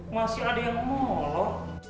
masih ada yang mau lo